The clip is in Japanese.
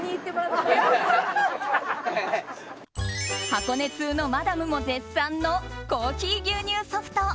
箱根通のマダムも絶賛の珈琲牛乳ソフト。